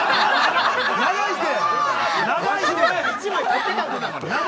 長いって。